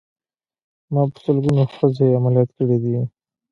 ما په سلګونو ښځې عمليات کړې دي.